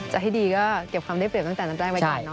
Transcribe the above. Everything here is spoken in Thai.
ใจที่ดีก็เก็บคำได้เปรียบตั้งแต่น้ำใจ้ไปก่อน